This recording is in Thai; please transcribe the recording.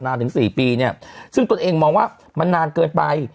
ถึง๔ปีเนี่ยซึ่งตนเองมองว่ามันนานเกินไป